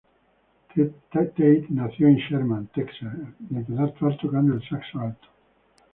Tate nació en Sherman, Texas y empezó actuar tocando el saxo alto.